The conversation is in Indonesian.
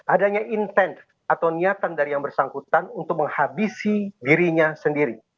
adanya intens atau niatan dari yang bersangkutan untuk menghabisi dirinya sendiri